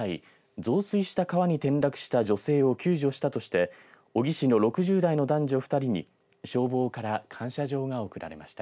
増水した川に転落した女性を救助したとして小城市の６０代の男女２人に消防から感謝状が贈られました。